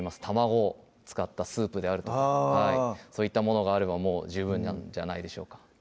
たまごを使ったスープであるとかそういったものがあればもう十分なんじゃないでしょうか